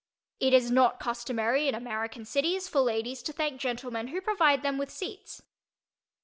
It is not customary in American cities for ladies to thank gentlemen who provide them with seats.